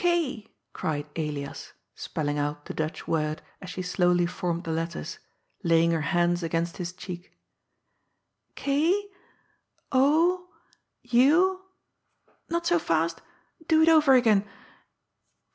^^ K," cried Elias, spelling out the Dutch word as she slowly formed the letters, laying her hands against his cheek —" K —— TJ Not so fast. Do it over again.